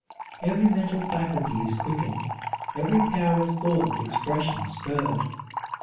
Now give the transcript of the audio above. Every mental faculty is quickened, every power of thought and expression spurred.